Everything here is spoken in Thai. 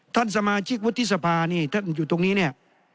ท่านสมาชิกวุฒิสภานี่ท่านอยู่ตรงนี้เนี่ย